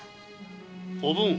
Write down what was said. ・おぶん！